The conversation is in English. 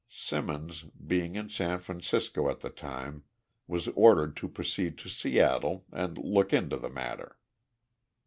Simmons, being in San Francisco at the time, was ordered to proceed to Seattle and look into the matter.